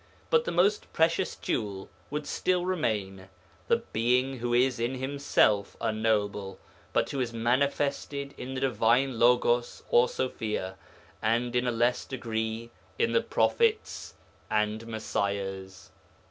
But the most precious jewel would still remain, the Being who is in Himself unknowable, but who is manifested in the Divine Logos or Sofia and in a less degree in the prophets and Messiahs.